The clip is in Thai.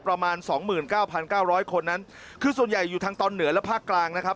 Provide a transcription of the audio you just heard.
ประมาณ๒๙๙๐๐คนนั้นคือส่วนใหญ่อยู่ทางตอนเหนือและภาคกลางนะครับ